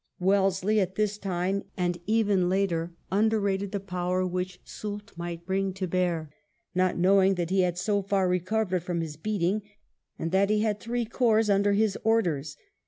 Wellesley at this time, and even VI THE MARCH INTO SPAIN 117 later, underrated the power wbich Soult might bring to bear, not knowing that he had so far recovered from his beating, and that he had three corps under his orders.